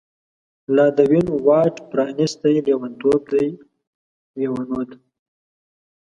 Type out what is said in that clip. لا د وینو واټ پرانیستۍ، لیونتوب دی لیونوته